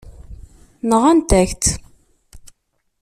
Nɣant-ak-tt.